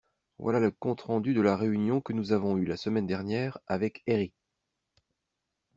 Voilà le compte-rendu de la réunion que nous avons eu la semaine dernière avec Herri.